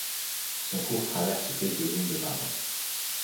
Son cours traverse quelques zones de marais.